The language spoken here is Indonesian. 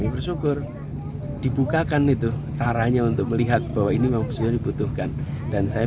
bersyukur dibukakan itu caranya untuk melihat bahwa ini memang dibutuhkan dan saya